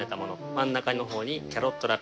真ん中の方にキャロットラペ。